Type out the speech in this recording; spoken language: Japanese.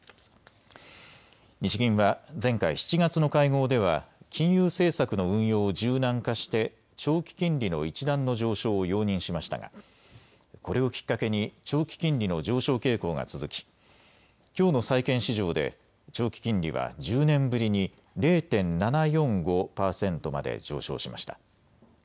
日銀は前回７月の会合では金融政策の運用を柔軟化して長期金利の一段の上昇を容認しましたがこれをきっかけに長期金利の上昇傾向が続ききょうの債券市場で長期金利は１０年ぶりに０．７４５％まで上昇しました。